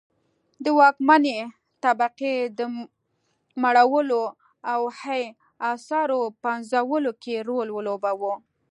د واکمنې طبقې د مړولو او هي اثارو پنځولو کې رول ولوباوه.